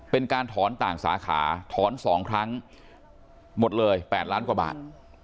เป็นการถอนต่างสาขาถอน๒ครั้งหมดเลย๘ล้านกว่าบาท